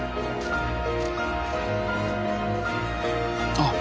あっ。